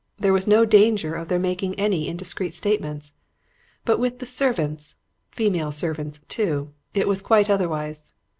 There was no danger of their making any indiscreet statements. But with the servants female servants, too it was quite otherwise.